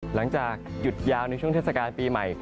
หลังจากหยุดยาวในช่วงเทศกาลปีใหม่